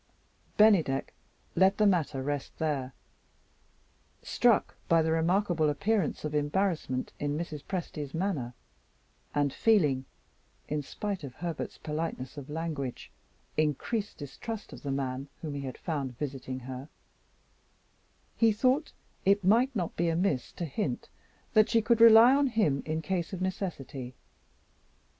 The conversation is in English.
Bennydeck let the matter rest there. Struck by the remarkable appearance of embarrassment in Mrs. Presty's manner and feeling (in spite of Herbert's politeness of language) increased distrust of the man whom he had found visiting her he thought it might not be amiss to hint that she could rely on him in case of necessity.